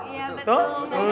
iya betul beneran